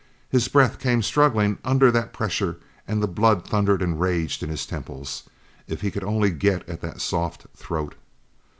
His breath came struggling under that pressure and the blood thundered and raged in his temples. If he could only get at that soft throat!